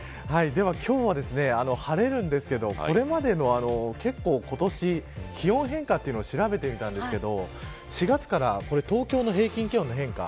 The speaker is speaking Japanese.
今日は、晴れるんですけどこれまでの今年の気温変化を調べてみたんですけど４月から東京の平均気温の変化